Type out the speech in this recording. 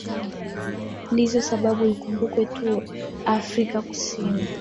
ndizo sababu ikumbukwe tu afrika kusini